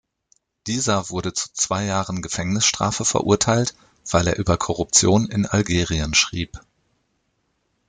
Dieser wurde zu zwei Jahren Gefängnisstrafe verurteilt, weil er über Korruption in Algerien schrieb.